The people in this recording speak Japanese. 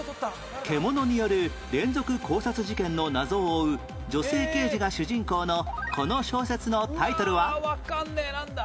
獣による連続咬殺事件の謎を追う女性刑事が主人公のこの小説のタイトルは？